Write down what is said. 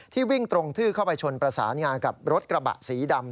วิ่งตรงทื่อเข้าไปชนประสานงานกับรถกระบะสีดำ